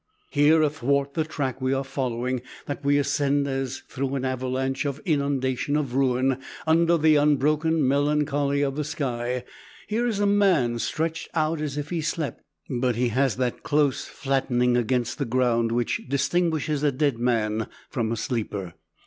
Here, athwart the track we are following, that we ascend as through an avalanche or inundation of ruin, under the unbroken melancholy of the sky, here is a man stretched out as if he slept, but he has that close flattening against the ground which distinguishes a dead man from a sleeper.